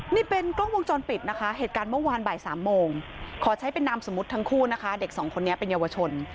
นี่เป็นกล้องวงจรปิดนะคะเหตุการณ์เมื่อวานบ่ายสามโมงขอใช้เป็นนามสมมุติทั้งคู่นะคะเด็กสองคนนี้เป็นเยาวชน